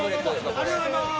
ありがとうございます！